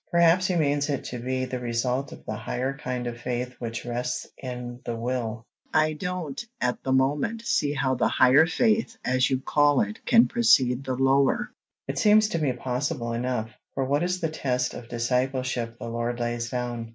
Perhaps he means it to be the result of the higher kind of faith which rests in the will." "I don't, at the moment, see how the higher faith, as you call it, can precede the lower." "It seems to me possible enough. For what is the test of discipleship the Lord lays down?